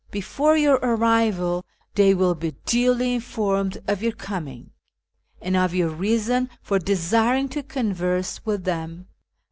Before your arrival they will be duly informed of your coming, and of vour reason for desiring to converse with them.